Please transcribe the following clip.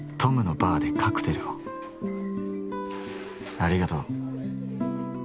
ありがとう。